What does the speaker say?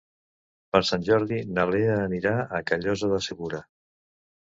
Per Sant Jordi na Lea anirà a Callosa de Segura.